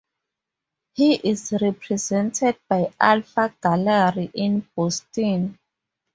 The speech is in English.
He is represented by Alpha Gallery in Boston.